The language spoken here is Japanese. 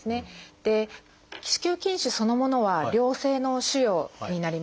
子宮筋腫そのものは良性の腫瘍になります。